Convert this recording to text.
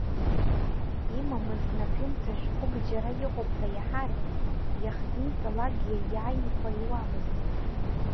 Имамыз напҩымҭа шәҟәык џьара иҟоуп ҳәа иаҳар, иахҭниҵалакгьы, иааимхәар иуамызт.